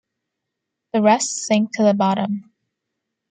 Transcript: The rest sink to the bottom.